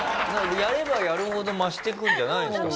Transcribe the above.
やればやるほど増していくんじゃないんですか？